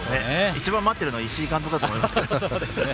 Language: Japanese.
一番待ってるのは石井監督だと思いますけど。